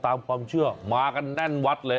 ตามความเชื่อมากันแน่นวัดเลย